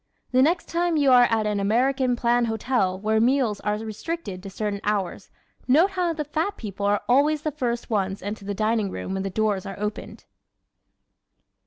The next time you are at an American plan hotel where meals are restricted to certain hours note how the fat people are always the first ones into the dining room when the doors are opened!